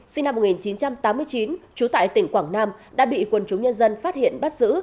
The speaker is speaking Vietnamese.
sinh năm một nghìn chín trăm tám mươi chín trú tại tỉnh quảng nam đã bị quần chúng nhân dân phát hiện bắt giữ